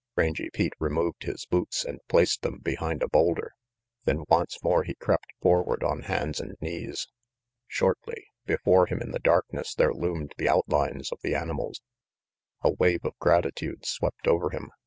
Rangy Pete removed his boots and placed them behind a boulder. Then once more he crept forward, on hands and knees. Shortly, before him in the darkness, there loomed the outlines of the animals. A wave of gratitude swept over him.